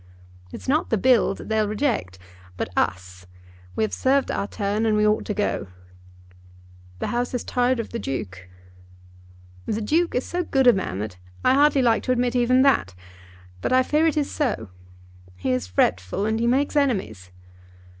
"It's not the Bill that they'll reject, but us. We have served our turn, and we ought to go." "The House is tired of the Duke?" "The Duke is so good a man that I hardly like to admit even that; but I fear it is so. He is fretful and he makes enemies."